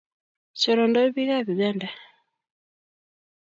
chorontoi bikab uganda